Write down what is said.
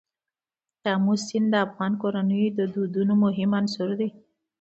آمو سیند د افغان کورنیو د دودونو مهم عنصر دی.